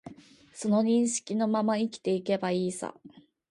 その認識のまま生きていけばいいさ